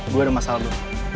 gue ada masalah bu